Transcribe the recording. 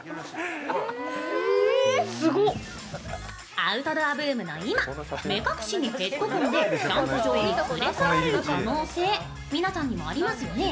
アウトドアブームの今、目隠しにヘッドホンでキャンプ場に連れ去られる可能性、皆さんにもありますよね？